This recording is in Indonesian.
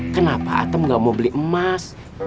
kenapa atem gak mau beli emas